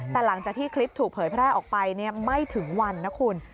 แต่หลังจากที่คลิปถูกเผยแพร่ออกไปไม่ถึงวันนะคุณ